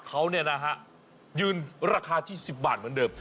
เขายืนราคาที่๑๐บาทเหมือนเดิม